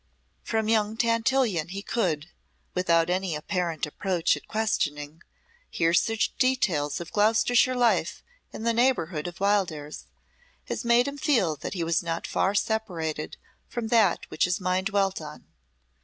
From young Tantillion he could, without any apparent approach at questioning, hear such details of Gloucestershire life in the neighbourhood of Wildairs as made him feel that he was not far separated from that which his mind dwelt on.